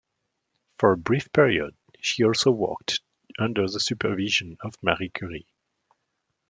For a brief period she also worked under the supervision of Marie Curie.